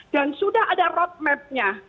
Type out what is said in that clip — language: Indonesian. dan sudah ada roadmap nya